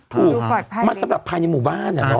ถูกมันสำหรับภายในหมู่บ้านอ่ะเนาะ